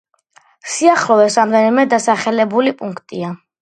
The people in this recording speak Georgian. სიახლოვეს რამდენიმე დასახლებული პუნქტია.